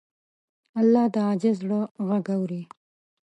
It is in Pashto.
الله د عاجز زړه غږ اوري.